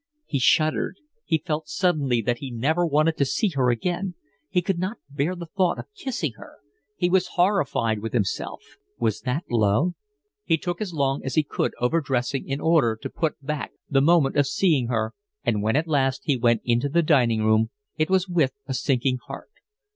He shuddered; he felt suddenly that he never wanted to see her again; he could not bear the thought of kissing her. He was horrified with himself. Was that love? He took as long as he could over dressing in order to put back the moment of seeing her, and when at last he went into the dining room it was with a sinking heart.